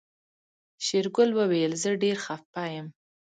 شېرګل وويل زه ډېر خپه يم.